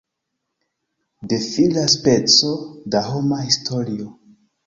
Defilas peco da homa historio.